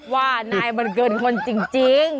ว่านายมันเกินคนจริง